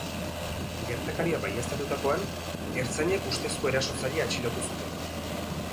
Gertakaria baieztatutakoan, ertzainek ustezko erasotzailea atxilotu zuten.